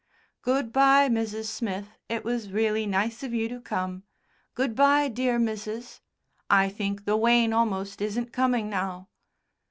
"Good bye, Mrs. Smith. It was really nice of you to come. Good bye, dear, Mrs. I think the wain almost isn't coming now."